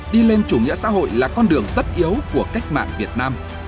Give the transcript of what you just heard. đi lên chủ nghĩa xã hội là con đường tất yếu của cách mạng việt nam